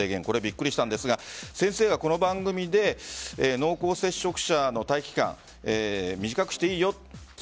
これ、びっくりしたんですが先生はこの番組で濃厚接触者の待機期間短くしていいよ。